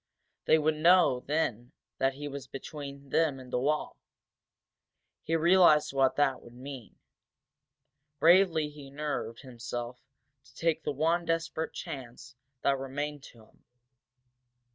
They would know then that he was between them and the wall. He realized what that would mean. Bravely he nerved himself to take the one desperate chance that remained to him.